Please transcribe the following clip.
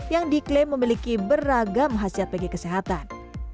yang diklaim memiliki beragam khasiat bagi kesehatan